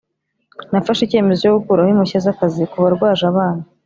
Nafashe icyemezo cyo gukuraho impushya z’akazi ku barwaje abana